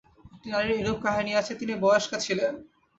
একটি নারীর এরূপ কাহিনী আছে, তিনি বয়স্কা ছিলেন।